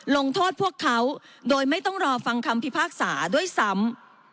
ลงโทษพวกเขาโดยไม่ต้องรอฟังคำพิพากษาด้วยซ้ำ